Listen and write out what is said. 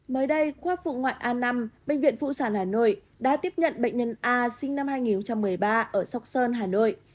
mới đây qua vụ ngoại a năm bệnh viện phụ sản hà nội đã tiếp nhận bệnh nhân a sinh năm hai nghìn một mươi ba ở sóc sơn hà nội